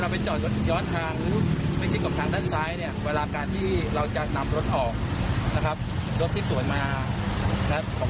ผมก็เลยต้องเขียนครับเพราะว่าในขณะนั้นเขาก็บันทึกภาพผม